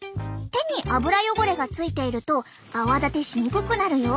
手に脂汚れがついていると泡立てしにくくなるよ。